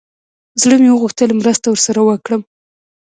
زړه مې وغوښتل مرسته ورسره وکړم.